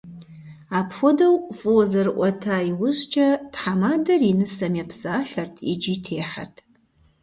Апхуэдэу фӏыуэ зэрыӏуэта иужькӀэ, тхьэмадэр и нысэм епсалъэрт икӀи техьэрт.